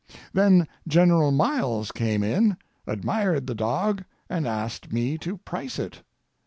Then General Miles came in, admired the dog, and asked me to price it.